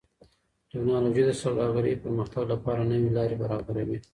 ټکنالوژي د سوداګرۍ پرمختګ لپاره نوې لارې برابروي.